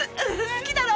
好きだろ？